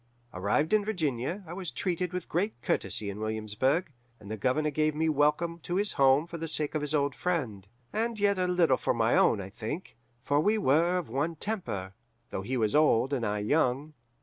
Arrived in Virginia, I was treated with great courtesy in Williamsburg, and the Governor gave me welcome to his home for the sake of his old friend; and yet a little for my own, I think, for we were of one temper, though he was old and I young.